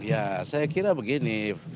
ya saya kira begini